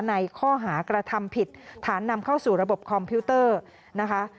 ในข้อหากระทำผิดฐานนำเข้าสู่ระบบคอมพิวเตอร์นะคะ